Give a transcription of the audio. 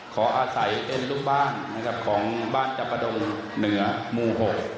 ขออาศัยเป็นลูกบ้านนะครับของบ้านจับประดงเหนือหมู่๖